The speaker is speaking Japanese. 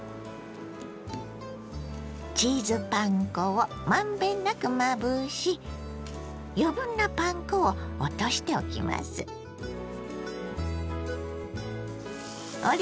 チーズパン粉をまんべんなくまぶし余分なパン粉を落としておきます。